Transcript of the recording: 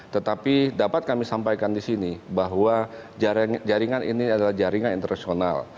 tetapi dapat kami sampaikan di sini bahwa jaringan ini adalah jaringan internasional